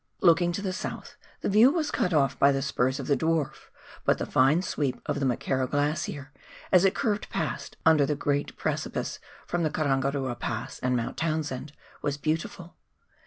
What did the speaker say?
237 Looking to the south the view was cut off by the spurs of the Dwarf, but the fine sweep of the McKerrow Glacier, as it curved past under the great precipice from the Karangarua Pass and Mount Townsend, was beautiful.